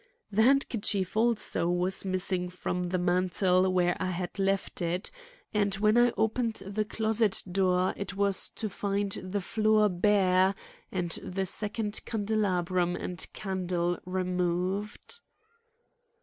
The handkerchief, also, was missing from the mantel where I had left it, and when I opened the closet door, it was to find the floor bare and the second candelabrum and candle removed.